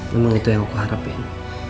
memang itu yang aku harapin